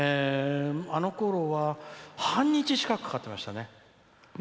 あのころは半日近くかかってましたね。